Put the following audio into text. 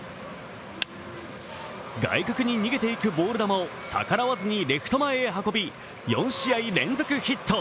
外角に逃げていくボール球を逆らわずにレフト前に運び４試合連続ヒット。